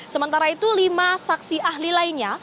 sementara itu lima saksi ahli lainnya